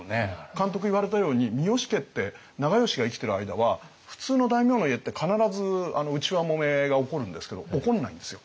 監督言われたように三好家って長慶が生きてる間は普通の大名の家って必ず内輪もめが起こるんですけど起こんないんですよ。